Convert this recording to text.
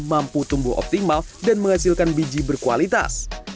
mampu tumbuh optimal dan menghasilkan biji berkualitas